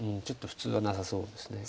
ちょっと普通はなさそうです。